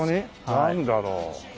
なんだろう？